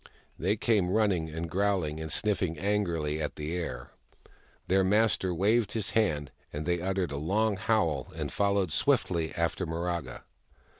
They came, running and growling, and sniffing angrily at the air. Their master waved his hand, and they uttered a long howl and followed swiftly after Miraga.